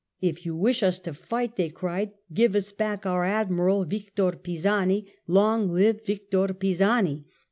"If you wish us to fight," they cried, " give us back our Admiral Victor Pisani ; long live Vic tor Pisani